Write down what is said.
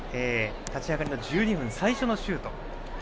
立ち上がりの１２分最初のシュート。